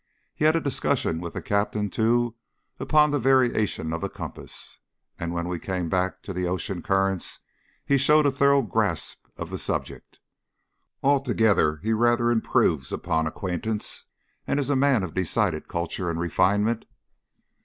He had a discussion with the Captain too upon the variation of the compass, and when we came back to the ocean currents he showed a thorough grasp of the subject. Altogether he rather improves upon acquaintance, and is a man of decided culture and refinement.